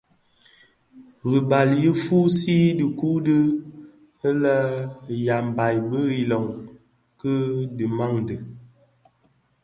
Ribal Nyi fusii dhikuu di lenyambaï bi ilöň ki dhimandé.